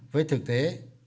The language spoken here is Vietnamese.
với thực tế